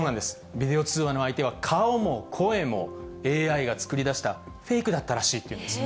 ビデオ通話の相手は、顔も声も、ＡＩが作り出したフェイクだったらしいっていうんです。